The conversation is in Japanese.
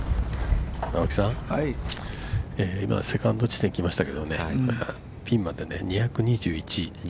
◆青木さん、今、セカンド地点に来ましたけど、ピンまで２２１。